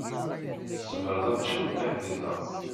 Tzemreḍ ad tecceḍ mliḥ dinna.